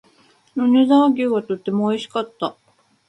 米沢牛はとても美味しかった